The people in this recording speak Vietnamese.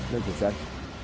lên kế dân